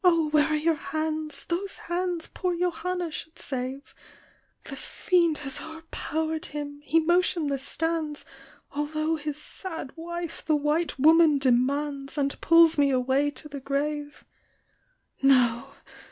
where are your hands ? Those hands poor Johanna should save; The fiend haso'erpowYd him, he motionless stands, Altho' his sad wife the white woman demands, And pulls me away to the grave. "No!